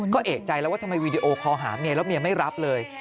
ก็เอกใจแล้วว่าทำไมวีดีโอคอลหาเมียแล้วเมียไม่รับเลย